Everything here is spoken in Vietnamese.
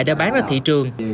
đã bán ra thị trường